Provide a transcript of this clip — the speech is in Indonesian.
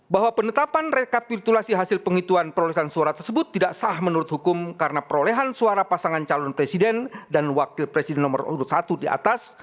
bahwa penetapan rekapitulasi hasil penghituan perolehan suara tersebut tidak sah menurut hukum karena perolehan suara pasangan calon presiden dan wakil presiden nomor urut satu di atas